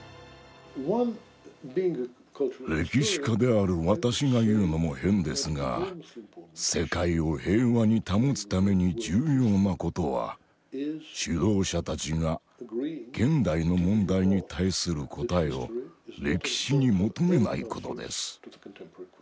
歴史家である私が言うのも変ですが世界を平和に保つために重要なことは指導者たちが現代の問題に対する答えを歴史に求めないことです。